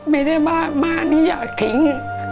ไม่ได้บ้าม่าหนูอยากทิ้ง